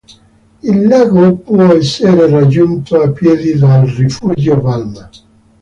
Il lago può essere raggiunto a piedi dal Rifugio Balma.